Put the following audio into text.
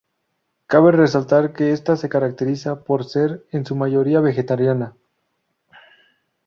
Cabe resaltar que esta se caracteriza por ser en su mayoría vegetariana.